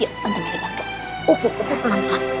yuk tante merry bantu upuk upuk pelan pelan